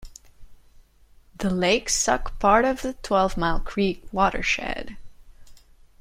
The lakes suck part of the Twelve Mile Creek watershed.